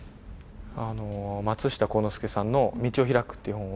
松下幸之助さんの道をひらくという本は、